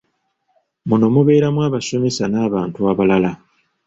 Muno mubeeramu abasomesa n'abantu abalala.